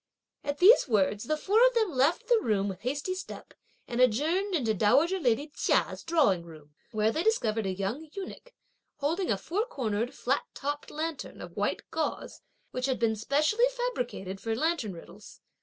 At these words, the four of them left the room with hasty step, and adjourned into dowager lady Chia's drawing room, where they discovered a young eunuch, holding a four cornered, flat topped lantern, of white gauze, which had been specially fabricated for lantern riddles.